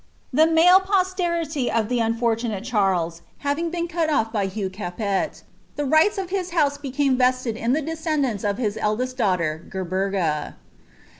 The male posterity of the unfur noateCharlea having b««n cut off by Huf^h Capet, the righu of his house h«euiM) rested in the descendants of his eldest daughter, Gerbergs.'